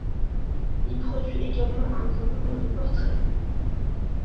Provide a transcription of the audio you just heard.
Il produit également un grand nombre de portraits.